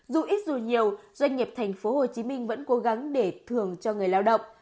dù ít dù nhiều doanh nghiệp tp hcm vẫn cố gắng để thường cho người lao động